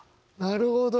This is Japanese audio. なるほど！